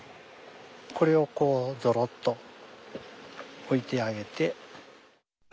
これをこうゾロッと置いてあげて。